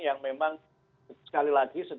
yang memang sekali lagi